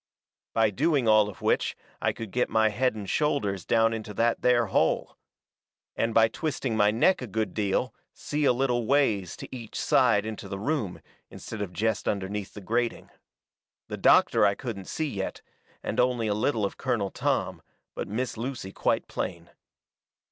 By doing all of which I could get my head and shoulders down into that there hole. And by twisting my neck a good deal, see a little ways to each side into the room, instead of jest underneath the grating. The doctor I couldn't see yet, and only a little of Colonel Tom, but Miss Lucy quite plain.